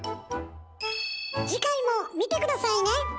次回も見て下さいね！